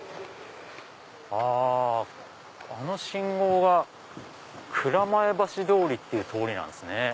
ああの信号が蔵前橋通りっていう通りなんですね。